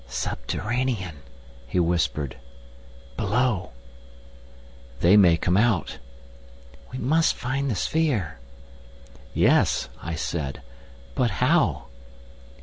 "Subterranean," he whispered. "Below." "They may come out." "We must find the sphere!" "Yes," I said; "but how?"